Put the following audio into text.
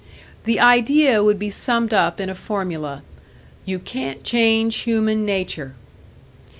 The idea would be summed up in a formula: "You can't change human nature!"